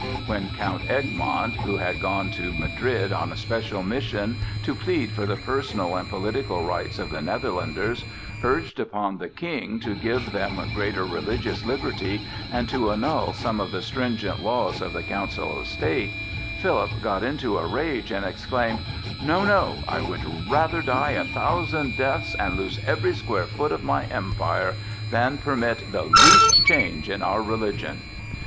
When Count Egmont, who had gone to Madrid on a special mission to plead for the personal and political rights of the Netherlanders, urged upon the King to give them greater religious liberty and to annul some of the stringent laws of the Council of State, Philip got into a rage and exclaimed: "No, no, I would rather die a thousand deaths and lose every square foot of my empire than permit the least change in our religion!"